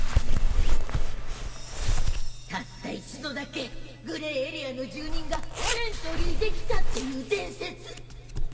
たった一度だけグレーエリアの住人がエントリーできたっていう伝説